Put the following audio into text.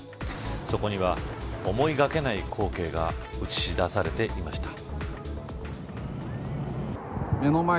そこには思いがけない光景が映し出されていました。